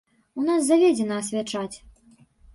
У нас заведзена асвячаць.